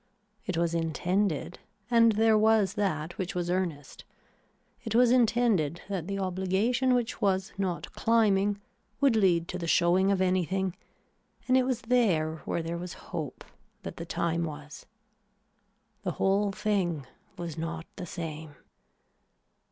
It was intended and there was that which was earnest, it was intended that the obligation which was not climbing would lead to the showing of anything and it was there where there was hope that the time was. The whole thing was not the same.